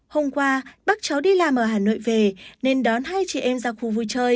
hôm qua bác cháu đi làm ở hà nội về nên đón hai chị em ra khu vui chơi